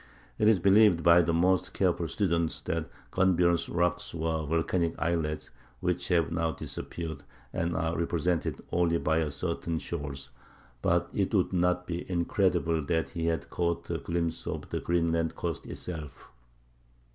It is believed by the most careful students that Gunnbjörn's "rocks" were volcanic islets, which have now disappeared, and are represented only by certain shoals; but it would not be incredible that he had caught a glimpse of the Greenland coast itself.